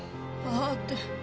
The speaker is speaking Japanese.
「ああ」って。